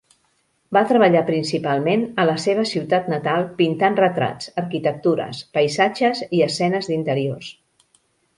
Va treballar principalment a la seva ciutat natal pintant retrats, arquitectures, paisatges i escenes d'interiors.